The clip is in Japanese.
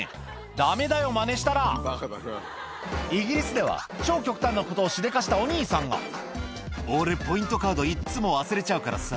ダメだよマネしたらイギリスでは超極端なことをしでかしたお兄さんが「俺ポイントカードいっつも忘れちゃうからさ